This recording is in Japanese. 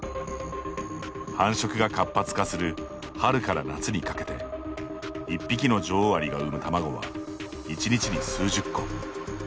繁殖が活発化する春から夏にかけて１匹の女王アリが産む卵は１日に数十個。